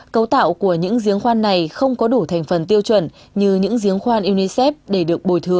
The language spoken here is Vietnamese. cấu tạo của những giếng khoan này không có đủ thành phần tiêu chuẩn như những giếng khoan unicef để được bồi thường